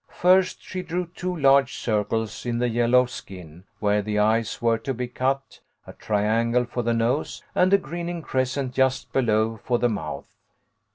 First she drew two large circles in the yellow skin where the eyes were to be cut, a triangle for the nose, and a grinning crescent just below for the mouth.